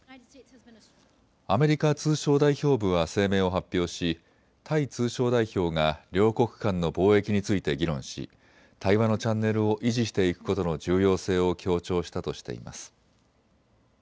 アメリカ通商代表部は声明を発表しタイ通商代表が両国間の貿易について議論し対話のチャンネルを維持していくことの重要性を強調したとしています。